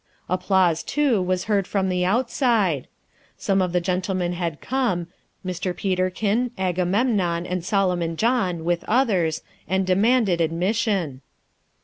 Applause, too, was heard from the outside. Some of the gentlemen had come, Mr. Peterkin, Agamemnon, and Solomon John, with others, and demanded admission.